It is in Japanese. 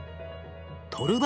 トルバ